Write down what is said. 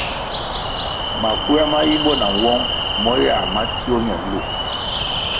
Makuer ma yimbo na nwông mo yáh ma tsio ñe nlu.